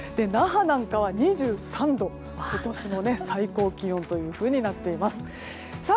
那覇なんかは２３度今年の最高気温となっています。